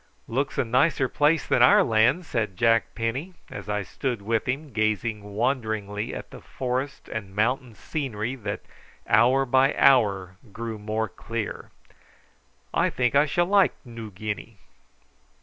"Looks a nicer place than our land," said Jack Penny, as I stood with him gazing wonderingly at the forest and mountain scenery that hour by hour grew more clear. "I think I shall like Noo Guinea."